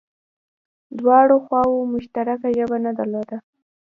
دواړو خواوو مشترکه ژبه نه درلوده